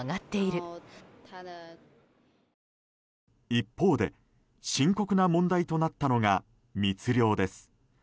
一方で深刻な問題となったのが密漁です。